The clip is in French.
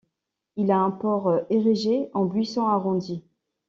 Il a un port érigé en buisson arrondi.